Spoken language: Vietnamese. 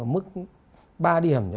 mức ba điểm